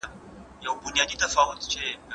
شپږ جمع درې؛ نهه کېږي.